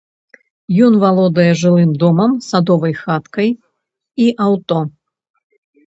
Ён валодае жылым домам, садовай хаткай і аўто.